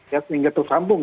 ya sehingga tersambung